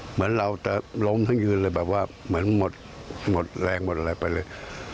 เหมือนเราจะล้มทั้งยืนเลยแบบว่าเหมือนหมดแรงหมดอะไรไปเลย